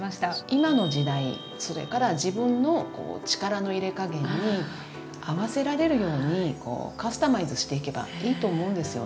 今の時代それから自分の力の入れ加減に合わせられるようにカスタマイズしていけばいいと思うんですよね。